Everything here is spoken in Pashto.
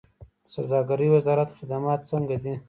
د سوداګرۍ وزارت خدمات څنګه دي؟